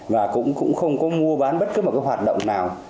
và cũng không có mua bán bất cứ hoạt động nào